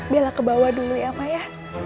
bella ke bawah dulu ya ma ya